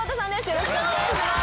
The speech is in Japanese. よろしくお願いします。